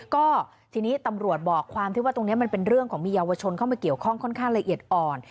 ก็ทีนี้ตำรวจบอกความที่ว่าตรงนี้มันเป็นเรื่องของมีเยาวชนเข้ามาเกี่ยวข้องค่อนข้างละเอียดอ่อน